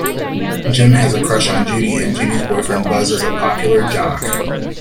Jim has a crush on Judy and Judy's boyfriend Buzz is a popular jock.